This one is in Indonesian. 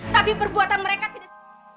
tapi perbuatan mereka tidak